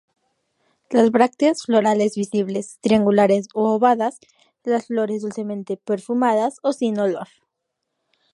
Las brácteas florales visibles, triangulares o aovadas, las flores dulcemente perfumadas o sin olor.